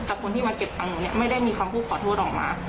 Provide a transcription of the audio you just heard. แต่คนที่มาเก็บตังค์หนูเนี่ยไม่ได้มีคำพูดขอโทษออกมา